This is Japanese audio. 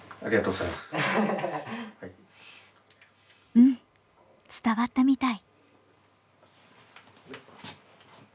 うん伝わったみたい。